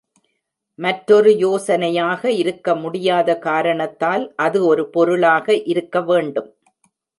மற்றொரு யோசனையாக இருக்கமுடியாத காரணத்தால், அது ஒரு பொருளாக இருக்க வேண்டும்.